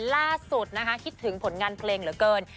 ล่าสุดนะคะคิดถึงผลงานเพลงเหลือเกิน